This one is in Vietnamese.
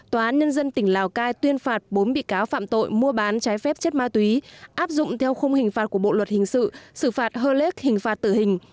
tòa án nhân dân tỉnh lào cai tuyên phạt bốn bị cáo phạm tội mua bán trái phép chất ma túy áp dụng theo khung hình phạt của bộ luật hình sự xử phạt hơ lếc hình phạt tử hình